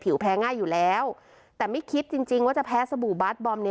แพ้ง่ายอยู่แล้วแต่ไม่คิดจริงจริงว่าจะแพ้สบู่บาสบอมเนี่ย